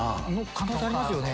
可能性ありますよね。